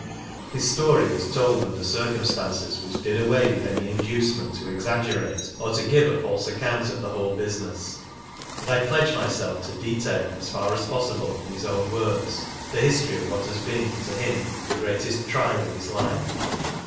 His story was told under circumstances which did away with any inducement to exaggerate or give a false account of the whole business ; and I pledge myself to detail, as far as possible in his own words, the history of what has been, to him, the greatest trial in his life.